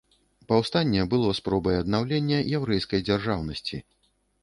Паўстанне было спробай аднаўлення яўрэйскай дзяржаўнасці.